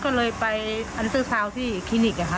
ก็เลยไปอันเตอร์ซาวน์ที่คลินิกอะค่ะ